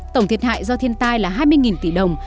tổng thiệt hại do thiên tai là hai mươi tỷ đồng